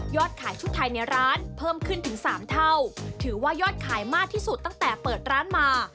ขายชุดไทยในร้านเพิ่มขึ้นถึงสามเท่าถือว่ายอดขายมากที่สุดตั้งแต่เปิดร้านมา